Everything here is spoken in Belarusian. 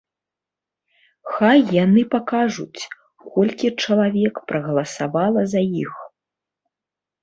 Хай яны пакажуць, колькі чалавек прагаласавала за іх.